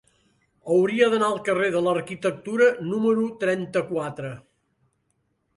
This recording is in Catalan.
Hauria d'anar al carrer de l'Arquitectura número trenta-quatre.